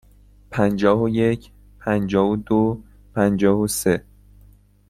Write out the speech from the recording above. پنجاه و یک، پنجاه و دو، پنجاه و سه.